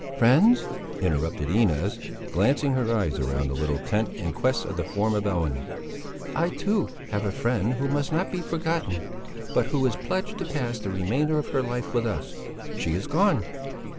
"Friends!" interrupted Inez, glancing her eyes around the little tent in quest of the form of Ellen. "I, too, have a friend who must not be forgotten, but who is pledged to pass the remainder of her life with us. She is gone!"